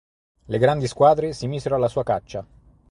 Le grandi squadre si misero alla sua caccia.